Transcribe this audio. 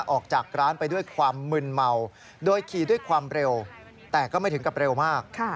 ออกจากร้านไปด้วยความมึนเมาโดยขี่ด้วยความเร็วแต่ก็ไม่ถึงกับเร็วมาก